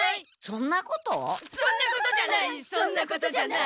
そんなことじゃないそんなことじゃない。